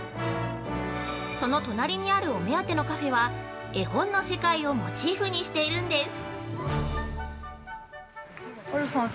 その隣にあるお目当てのカフェは絵本の世界をモチーフにしているんです。